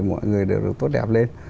mọi người được tốt đẹp lên